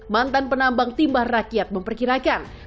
mantan penambang timah rakyat memperkirakan